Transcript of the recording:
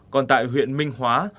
còn tại huyện minh hóa